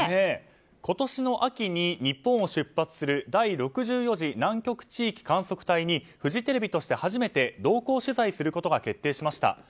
今年の秋に日本を出発する第６４次南極地域観測隊にフジテレビとして初めて同行取材することが決定しました。